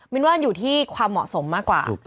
นว่าอยู่ที่ความเหมาะสมมากกว่า